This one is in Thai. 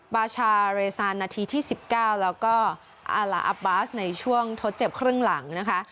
บาชาเรซานนาทีที่๑๙แล้วก็อาลาอับบาสในช่วงทดเจ็บครึ่งหลังนะคะ